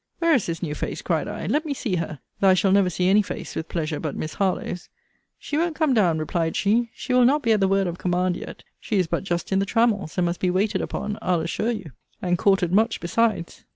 Where is this new face? cried I: let me see her, though I shall never see any face with pleasure but Miss Harlowe's. She won't come down, replied she. She will not be at the word of command yet. She is but just in the trammels; and must be waited upon, I'll assure you; and courted much besides.